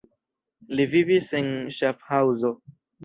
Li vivis en Ŝafhaŭzo.